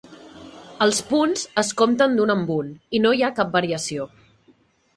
Els punts es compten d'un en un i no hi ha cap variació.